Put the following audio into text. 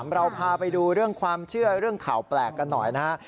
เราพาไปดูเรื่องความเชื่อเรื่องข่าวแปลกกันหน่อยนะฮะ